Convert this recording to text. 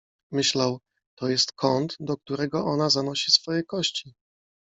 Myślał: — To jest kąt, do którego ona zanosi swoje kości.